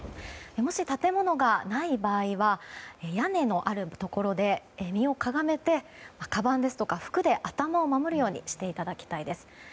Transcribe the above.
もし建物がない場合は屋根のあるところで身をかがめてかばんですとか服で頭を守るようにしていただきたいです。